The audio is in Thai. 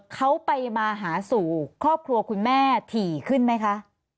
เขาไปมาหาสู่ครอบครัวคุณแม่ถี่ขึ้นไหมคะ